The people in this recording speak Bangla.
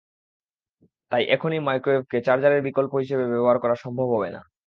তাই এখনই মাইক্রোওয়েভকে চার্জারের বিকল্প হিসেবে ব্যবহার করা সম্ভব হবে না।